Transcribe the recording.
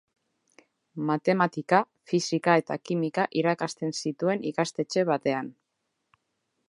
Matematika, fisika eta kimika irakasten zituen ikastetxe batean.